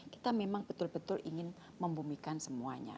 kita memang betul betul ingin membumikan semuanya